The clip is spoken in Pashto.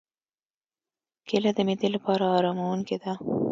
کېله د معدې لپاره آراموونکې ده.